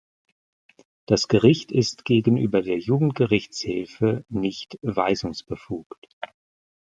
Das Gericht ist gegenüber der Jugendgerichtshilfe nicht weisungsbefugt.